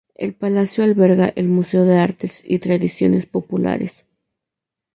El palacio alberga el Museo de Artes y Tradiciones Populares.